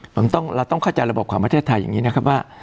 ผมเราต้องเข้าใจระบบของประเทศไทยอย่างนี้นะครับว่า